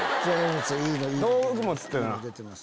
いいの出てます。